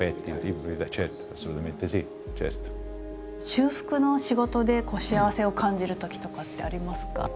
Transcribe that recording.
修復の仕事でしあわせを感じるときとかってありますか？